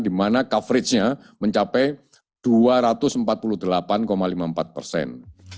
dimana coveragenya mencapai dua ratus empat puluh delapan lima puluh empat persen